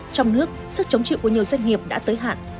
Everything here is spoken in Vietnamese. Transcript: trong nước sức chống chịu của nhiều doanh nghiệp đã tới hạn